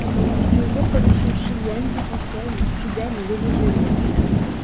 C'est une coproduction chilienne, française, cubaine et vénézuélienne.